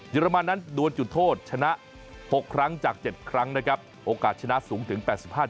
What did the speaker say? อรมันนั้นดวนจุดโทษชนะ๖ครั้งจาก๗ครั้งนะครับโอกาสชนะสูงถึง๘๕